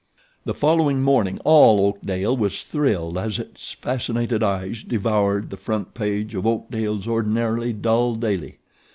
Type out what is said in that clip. The following morning all Oakdale was thrilled as its fascinated eyes devoured the front page of Oakdale's ordinarily dull daily.